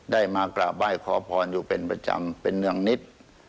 มากราบไหว้ขอพรอยู่เป็นประจำเป็นเนื่องนิด